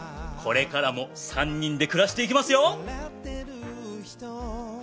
これからも３人で暮らしていけますよ！